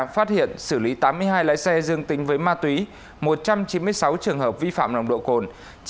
phát hiện xử lý tám mươi hai lái xe dương tính với ma túy một trăm chín mươi sáu trường hợp vi phạm nồng độ cồn